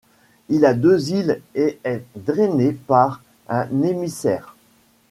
Il a deux îles et est drainé par un émissaire.